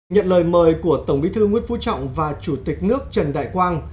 nhận lời mời của tổng bí thư nguyễn phú trọng và chủ tịch nước trần đại quang